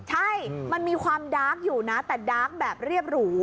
ใช่มันมีความดาร์กอยู่นะแต่ดาร์กแบบเรียบหรู